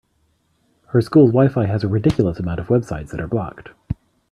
Her school’s WiFi has a ridiculous amount of websites that are blocked.